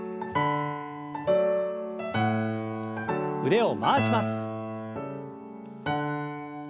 腕を回します。